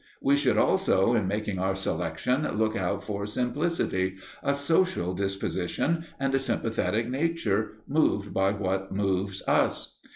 We should also in making our selection look out for simplicity, a social disposition, and a sympathetic nature, moved by what moves us.